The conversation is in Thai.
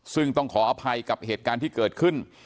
ซึ่งต้องขออภัยกับเหตุการณ์ที่เกิดขึ้น